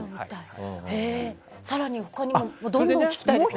更に他にもどんどん聞きたいです。